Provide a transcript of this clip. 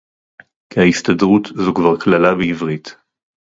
כי ההסתדרות זו כבר קללה בעברית